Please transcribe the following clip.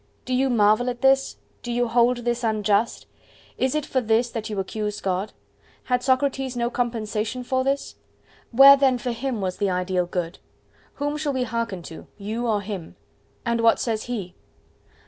—Do you marvel at this? Do you hold this unjust? Is it for this that you accuse God? Had Socrates no compensation for this? Where then for him was the ideal Good? Whom shall we hearken to, you or him? And what says he?